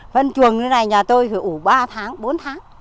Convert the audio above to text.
phân chuồng như thế này nhà tôi phải ủ ba tháng bốn tháng